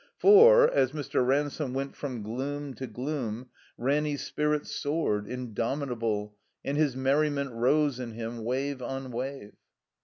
For, as Mr. Ransome went from gloom to gloom, Ranny's spirit soared, indomitable, and his merriment rose in him, wave on wave.